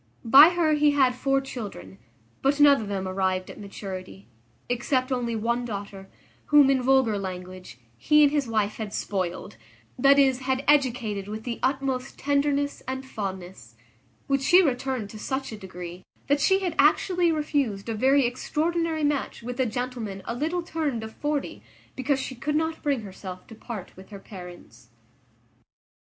By her he had four children, but none of them arrived at maturity, except only one daughter, whom, in vulgar language, he and his wife had spoiled; that is, had educated with the utmost tenderness and fondness, which she returned to such a degree, that she had actually refused a very extraordinary match with a gentleman a little turned of forty, because she could not bring herself to part with her parents.